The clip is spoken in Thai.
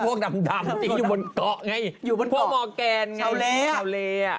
เพราะว่าชาวเลียก็พวกดำจริงอยู่บนเกาะไง